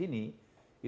ini sudah diberikan disini